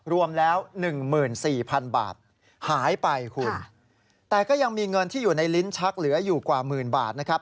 รวมแล้วหนึ่งหมื่นสี่พันบาทหายไปคุณแต่ก็ยังมีเงินที่อยู่ในลิ้นชักเหลืออยู่กว่าหมื่นบาทนะครับ